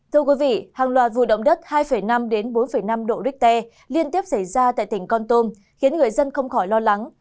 thưa quý vị hàng loạt vụ động đất hai năm đến bốn năm độ richter liên tiếp xảy ra tại tỉnh con tôm khiến người dân không khỏi lo lắng